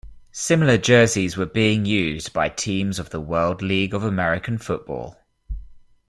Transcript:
Similar jerseys were being used by teams of the World League of American Football.